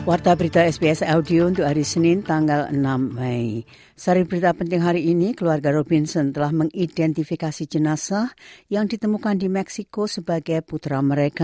anda bersama sbs bahasa indonesia